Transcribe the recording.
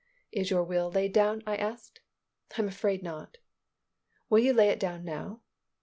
"Is your will laid down?" I asked. "I am afraid not." "Will you lay it down now?"